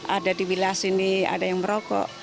ada di wilayah sini ada yang merokok